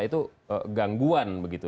itu gangguan begitu